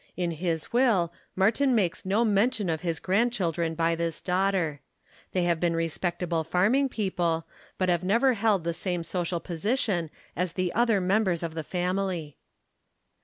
In his will, Martin makes no mention of his grandchildren by this daughter. They have been respectable farming people, but have never held the same social position as the other members of the family.